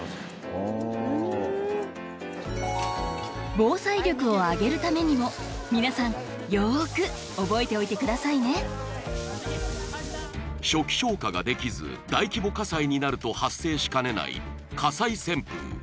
防災力を上げるためにも皆さんよーく覚えておいてくださいね初期消火ができず大規模火災になると発生しかねない火災旋風